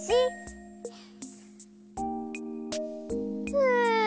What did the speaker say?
ふう。